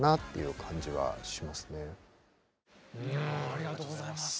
ありがとうございます。